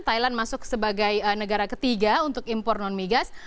thailand masuk sebagai negara ketiga untuk impor non migas